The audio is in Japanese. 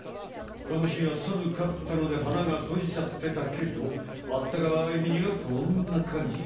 このひはさむかったので花がとじちゃってたけどあったかいひにはこんなかんじ。